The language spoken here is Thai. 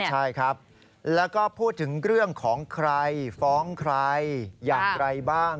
ใช่ครับแล้วก็พูดถึงเรื่องของใครฟ้องใครอย่างไรบ้าง